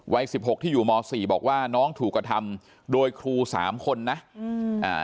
สิบหกที่อยู่มสี่บอกว่าน้องถูกกระทำโดยครูสามคนนะอืมอ่า